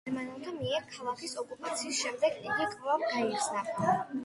გერმანელთა მიერ ქალაქის ოკუპაციის შემდეგ იგი კვლავ გაიხსნა.